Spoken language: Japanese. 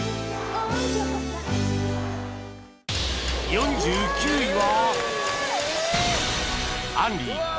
４９位は